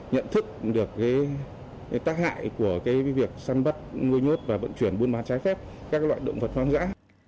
nhận thức được tác hại của việc săn bắt nuôi nhốt và vận chuyển buôn bán trái phép các loại động vật hoang dã